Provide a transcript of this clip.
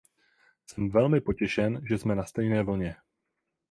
Jsem velmi potěšen, že jsme na stejné vlně.